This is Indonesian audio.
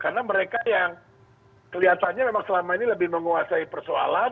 karena mereka yang kelihatannya memang selama ini lebih menguasai persoalan